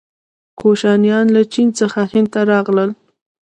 کوشانیان له چین څخه هند ته راغلل.